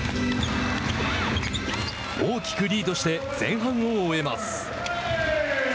大きくリードして前半を終えます。